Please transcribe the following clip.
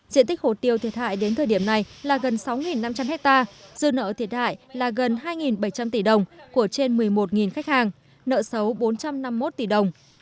diện tích hồ tiêu thiệt hại đến thời điểm này là gần sáu năm trăm linh hectare dư nợ thiệt hại là gần hai bảy trăm linh tỷ đồng của trên một mươi một khách hàng nợ xấu bốn trăm năm mươi một tỷ đồng